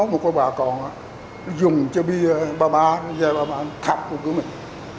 nếu có bà còn dùng cho bia ba ba da ba ba thọc vào cửa mình